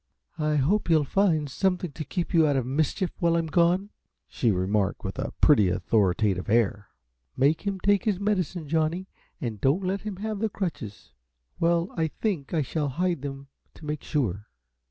"I hope you'll find something to keep you out of mischief while I'm gone," she remarked, with a pretty, authoritative air. "Make him take his medicine, Johnny, and don't let him have the crutches. Well, I think I shall hide them to make sure."